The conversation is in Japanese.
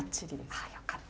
あよかった。